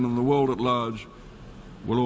คุณพระเจ้า